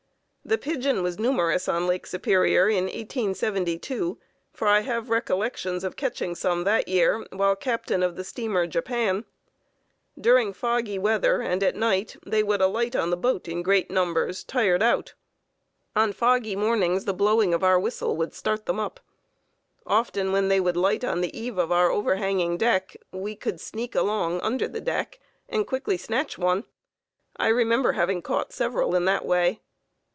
The pigeon was numerous on Lake Superior in 1872, for I have recollections of catching some that year while captain of the Steamer Japan. During foggy weather and at night, they would alight on the boat in great numbers, tired out. On foggy mornings, the blowing of our whistle would start them up. Often, when they would light on the eave of our overhanging deck, we could sneak along under the deck and quickly snatch one. I remember having caught several in that way.